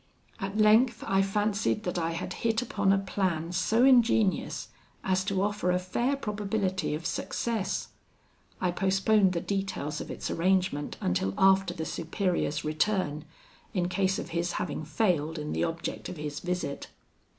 At length I fancied that I had hit upon a plan so ingenious, as to offer a fair probability of success. I postponed the details of its arrangement until after the Superior's return, in case of his having failed in the object of his visit.